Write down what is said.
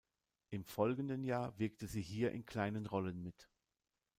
Im folgenden Jahr wirkte sie hier in kleinen Rollen mit.